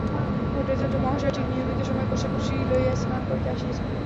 ভট্টাচার্য মহাশয় ঠিক নিয়মিত সময়ে কোশাকুশি লইয়া স্নান করিতে আসিয়াছেন।